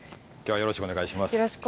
よろしくお願いします。